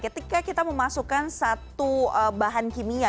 ketika kita memasukkan satu bahan kimia